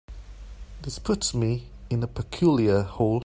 This puts me in a peculiar hole.